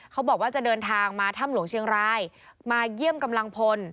เขาบอกว่าจะเดินทางมาถ้ำหลวงเชียงรายมาเยี่ยมกำลังพล